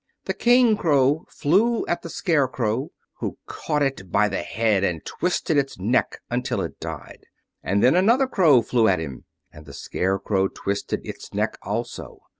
The King Crow flew at the Scarecrow, who caught it by the head and twisted its neck until it died. And then another crow flew at him, and the Scarecrow twisted its neck also.